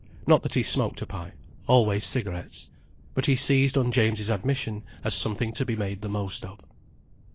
Not that he smoked a pipe: always cigarettes. But he seized on James's admission, as something to be made the most of.